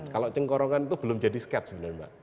kalau cengkorongan itu belum jadi sket sebenarnya mbak